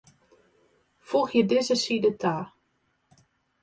Foegje dizze side ta.